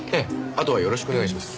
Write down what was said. あとはよろしくお願いします。